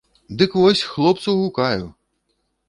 Ды вось хлопцу гукаю!